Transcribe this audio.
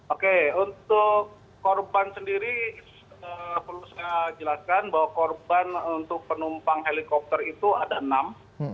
oke untuk korban sendiri perlu saya jelaskan bahwa korban untuk penumpang helikopter itu ada enam